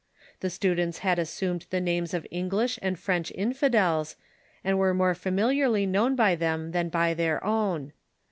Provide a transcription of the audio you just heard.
The students had assumed the names of English and French infidels, and were more familiarly known by them than by their own.